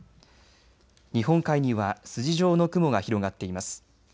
日本海には筋状の雲が広がっています。